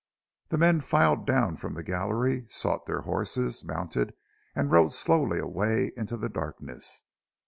The men filed down from the gallery, sought their horses, mounted, and rode slowly away into the darkness.